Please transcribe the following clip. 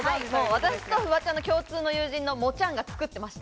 私とフワちゃんの、共通の友人の、もっちゃんが作ってました。